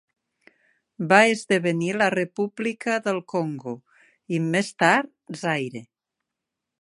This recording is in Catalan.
Va esdevenir la República del Congo i, més tard, Zaire.